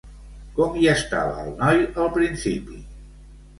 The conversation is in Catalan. Com hi estava el noi al principi?